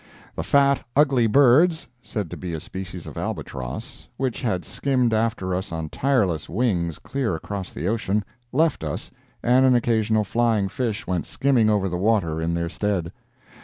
The fat, ugly birds (said to be a species of albatross) which had skimmed after us on tireless wings clear across the ocean, left us, and an occasional flying fish went skimming over the water in their stead.